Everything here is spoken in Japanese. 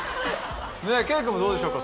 圭君もどうでしょうか？